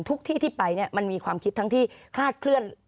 ที่ที่ไปมันมีความคิดทั้งที่คลาดเคลื่อน